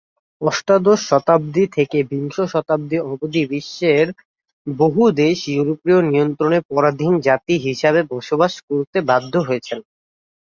অষ্টাদশ শতাব্দী থেকে বিংশ শতাব্দী অবধি বিশ্বের বহু দেশ ইয়োরোপীয় নিয়ন্ত্রণে পরাধীন জাতি হিসাবে বসবাস করতে বাধ্য হয়েছে।